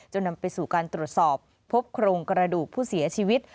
นำไปสู่การตรวจสอบพบโครงกระดูกผู้เสียชีวิต